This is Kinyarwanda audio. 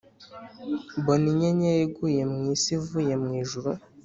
Mbona inyenyeri iguye mu isi ivuye mu ijuru,